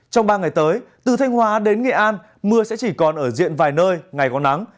trong ba ngày tới từ thanh hóa đến nghệ an mưa sẽ chỉ còn ở diện vài nơi ngày có nắng